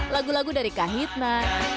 lagu lagu dari kahitna